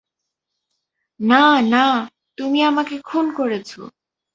না, না, তুমি আমাকে খুন করেছো!